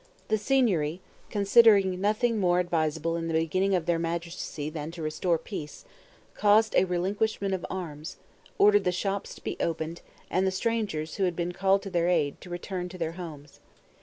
This Signory, considering nothing more advisable in the beginning of their magistracy than to restore peace, caused a relinquishment of arms; ordered the shops to be opened, and the strangers who had been called to their aid, to return to their homes.